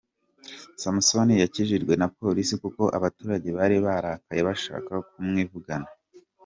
Samson yakijijwe na polisi kuko abaturage bari barakaye bashaka kumwivugana.